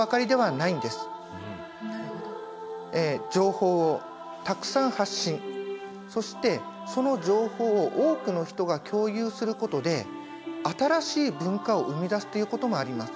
情報をたくさん発信そしてその情報を多くの人が共有することで新しい文化を生み出すということもあります。